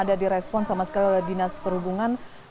ada direspon sama sekali oleh dinas perhubungan